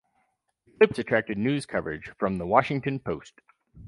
The clips attracted news coverage from "The Washington Post".